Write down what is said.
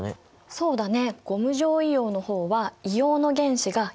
そうだね